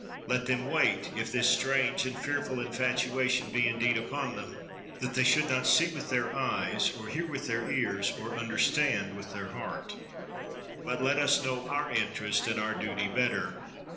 Let them wait, if this strange and fear ful infatuation be indeed upon them, that they should not see with their eyes, or hear with their ears, or understand with their heart. But let us know our interest and our duty better.